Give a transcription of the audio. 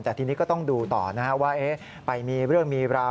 แต่ทีนี้ก็ต้องดูต่อนะครับว่าไปมีเรื่องมีราว